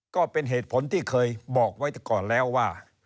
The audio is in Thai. ก็เป็นเหตุผลที่เคยบอกไว้ก่อนแล้วว่า